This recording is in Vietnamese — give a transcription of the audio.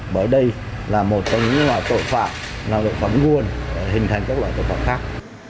bởi đây là một trong những loại tội phạm là một loại phẩm nguồn hình thành các loại tội phạm khác